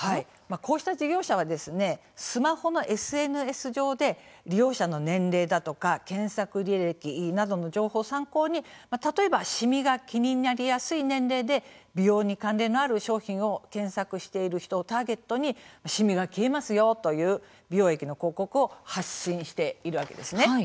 こうした事業者はスマホのＳＮＳ上で利用者の年齢や検索履歴などの情報を参考に例えばしみが気になりやすい年齢で美容に関連のある商品を検索している人をターゲットにしみが消えますよという美容液の広告を発信しているわけですね。